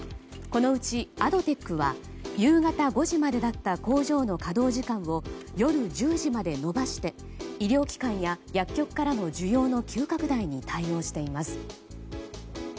このうち、アドテックは夕方５時までだった工場の稼働時間を夜１０時まで延ばして医療機関や薬局からの需要の急拡大に対応しています。